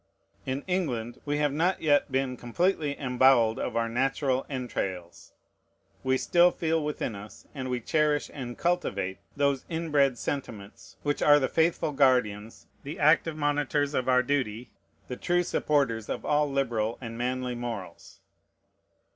In England we have not yet been completely embowelled of our natural entrails: we still feel within us, and we cherish and cultivate, those inbred sentiments which are the faithful guardians, the active monitors of our duty, the true supporters of all liberal and manly morals.